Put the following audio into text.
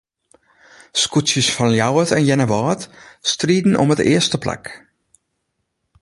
Skûtsjes fan Ljouwert en Earnewâld striden om it earste plak.